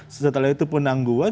setelah itu penangguan